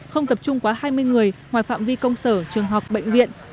không tập trung quá hai mươi người ngoài phạm vi công sở trường học bệnh viện